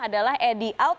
adalah edi out